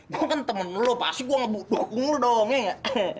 gue kan temen lu pasti gue ngebuduk buduk lu dong ya